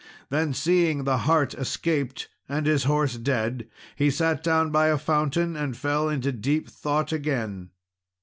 Then, seeing the hart escaped and his horse dead, he sat down by a fountain, and fell into deep thought again.